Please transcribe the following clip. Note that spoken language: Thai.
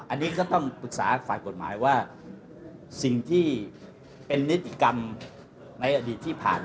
อันนี้ก็ต้องปรึกษาฝ่ายกฎหมายว่าสิ่งที่เป็นนิติกรรมในอดีตที่ผ่าน